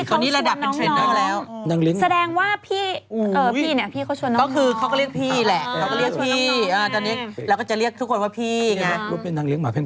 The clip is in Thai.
อันนี้เรียกแบบแพงแล้วอดูก